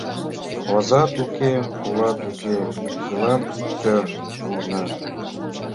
Озат уке, кулат уке, чылан иктӧр улына.